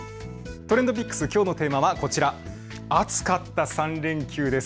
ＴｒｅｎｄＰｉｃｋｓ、きょうのテーマはこちら、暑かった３連休です。